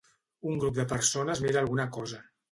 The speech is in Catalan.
Un grup de persones mira alguna cosa.